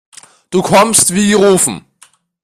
Du kommst wie gerufen.